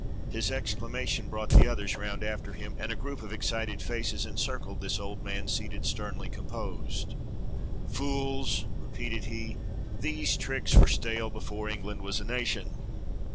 His exclamation brought the others round after him and a group of excited faces encircled this old man seated sternly composed. "Fools!" repeated he, "these tricks were stale before England was a nation.